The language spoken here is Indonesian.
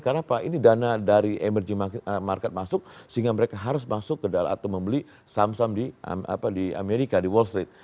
karena pak ini dana dari emerging market masuk sehingga mereka harus masuk ke dalam atau membeli samsung di amerika di wall street